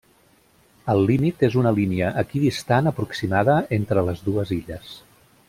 El límit és una línia equidistant aproximada entre les dues illes.